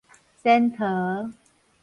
仙桃